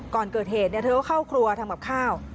ก่อนเกิดเหตุเธอก็เข้าครัวทำกับข้าว